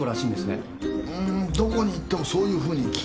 うーんどこに行ってもそういうふうに聞きますな。